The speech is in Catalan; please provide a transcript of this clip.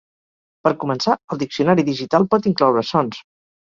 Per començar, el diccionari digital pot incloure sons.